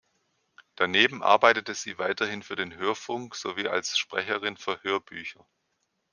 Daneben arbeitete sie weiterhin für den Hörfunk sowie als Sprecherin für Hörbücher.